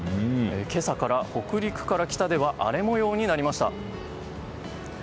今朝から北陸から北で荒れ模様になりました。